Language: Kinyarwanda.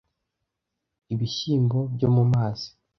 ibishyimbo byo mu mazi